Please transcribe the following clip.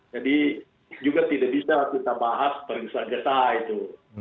jadi juga tidak bisa kita bahas periksaan jatah itu